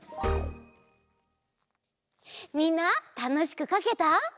みんなたのしくかけた？